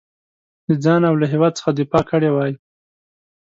د ځان او له هیواد څخه دفاع کړې وای.